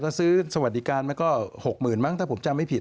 ถ้าซื้อสวัสดิการมันก็๖๐๐๐มั้งถ้าผมจำไม่ผิด